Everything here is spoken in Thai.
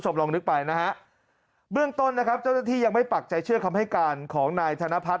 ลองนึกไปนะฮะเบื้องต้นนะครับเจ้าหน้าที่ยังไม่ปักใจเชื่อคำให้การของนายธนพัฒน